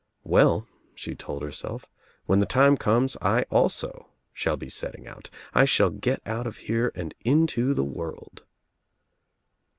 "Well," she told herself, *'when the time comes I also shall be setting out, I shall get ou t of here and into the world."